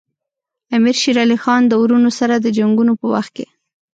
امیر شېر علي خان د وروڼو سره د جنګونو په وخت کې.